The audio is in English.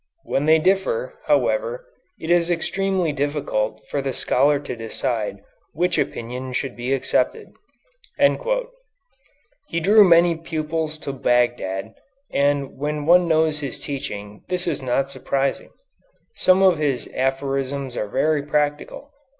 When they differ, however, it is extremely difficult for the scholar to decide which opinion should be accepted." He drew many pupils to Bagdad, and, when one knows his teaching, this is not surprising. Some of his aphorisms are very practical.